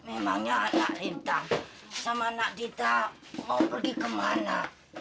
memangnya anak lintang sama anak kita mau pergi kemana